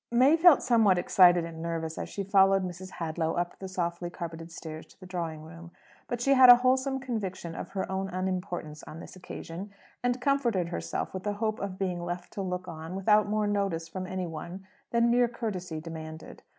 May felt somewhat excited and nervous as she followed Mrs. Hadlow up the softly carpeted stairs to the drawing room. But she had a wholesome conviction of her own unimportance on this occasion, and comforted herself with the hope of being left to look on without more notice from any one than mere courtesy demanded.